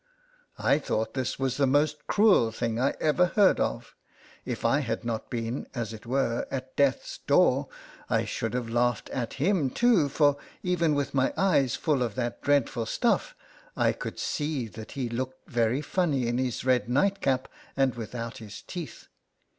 I thought this was the most cruel thing I ever heard of. If I had not been, as it were, at death's door, I should have laughed at him, too, LETTERS FROM A CAT. 67 for even with my eyes full of that dreadful stuff, I could see that he looked very funny in his red night cap, and without his teeth.